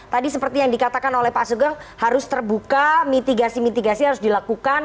tadi seperti yang dikatakan oleh pak sugeng harus terbuka mitigasi mitigasi harus dilakukan